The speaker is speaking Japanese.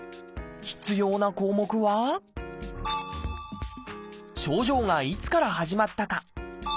必要な項目は症状がいつから始まったか。